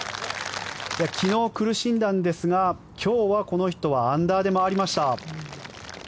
昨日、苦しんだんですが今日はこの人はアンダーで回りました。